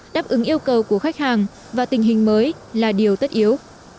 đáp ứng yêu cầu của khách hàng và tình hình mới là điều tất yếu